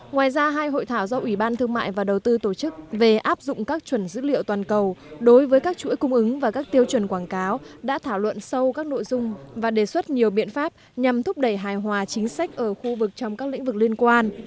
ngoài ra hai hội thảo do ủy ban thương mại và đầu tư tổ chức về áp dụng các chuẩn dữ liệu toàn cầu đối với các chuỗi cung ứng và các tiêu chuẩn quảng cáo đã thảo luận sâu các nội dung và đề xuất nhiều biện pháp nhằm thúc đẩy hài hòa chính sách ở khu vực trong các lĩnh vực liên quan